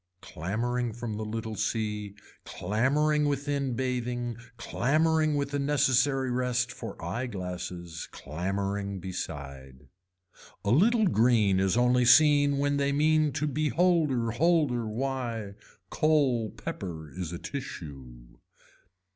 Clambering from a little sea, clambering within bathing, clambering with a necessary rest for eye glasses, clambering beside. A little green is only seen when they mean to be holder, holder why, coal pepper is a tissue.